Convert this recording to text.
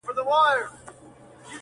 نيمه خوږه نيمه ترخه وه ښه دى تېره سوله.